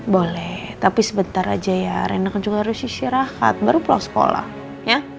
boleh tapi sebentar aja ya renak juga harus istirahat baru pulang sekolah ya